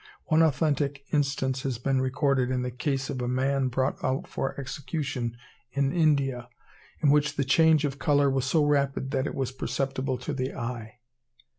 One authentic instance has been recorded, in the case of a man brought out for execution in India, in which the change of colour was so rapid that it was perceptible to the eye.